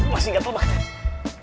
masih gatel banget